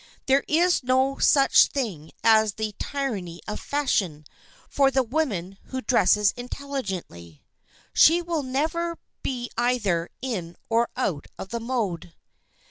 There is no such thing as the "tyranny of fashion" for the woman who dresses intelligently. She will never be either in or out of the mode.